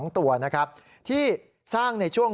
๒ตัวที่สร้างในช่วง